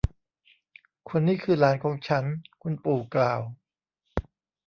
คนนี้คือหลานของฉัน คุณปู่กล่าว